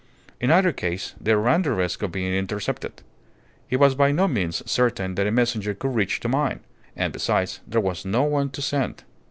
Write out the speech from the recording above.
In either case they ran the risk of being intercepted. It was by no means certain that a messenger could reach the mine; and, besides, there was no one to send.